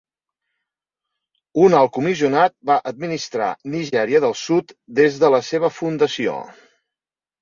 Un alt comissionat va administrar Nigèria del Sud des de la seva fundació.